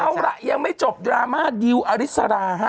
เอาล่ะยังไม่จบดราม่าดิวอฤษฎาครับ